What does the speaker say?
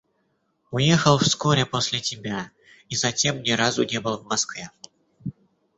Уехал вскоре после тебя и затем ни разу не был в Москве.